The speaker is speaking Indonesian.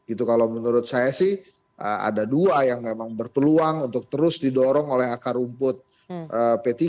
itu kalau menurut saya sih ada dua yang memang berpeluang untuk terus didorong oleh akar rumput p tiga